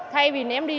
thay vì ném đi